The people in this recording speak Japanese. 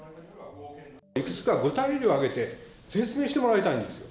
いくつか具体例を挙げて説明してもらいたいんですよ。